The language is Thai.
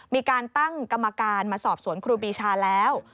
มีการตั้งกรรมการมาสอบสวนครูปีชาแล้ว